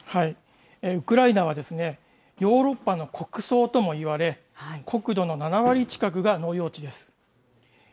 ウクライナは、ヨーロッパの穀倉ともいわれ、国土の７割近くが農用地です。